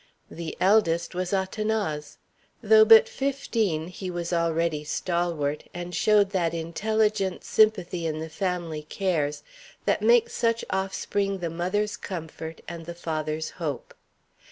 The eldest was Athanase. Though but fifteen he was already stalwart, and showed that intelligent sympathy in the family cares that makes such offspring the mother's comfort and the father's hope.